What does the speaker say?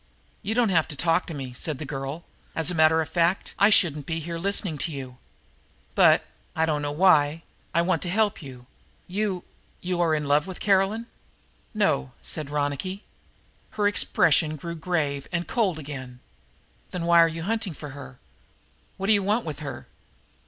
"You don't have to talk to me," said the girl. "As a matter of fact I shouldn't be here listening to you. But, I don't know why, I want to help you. You you are in love with Caroline?" "No," said Ronicky. Her expression grew grave and cold again. "Then why are you here hunting for her? What do you want with her?"